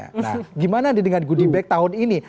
nah gimana nih dengan goodie bag tahun ini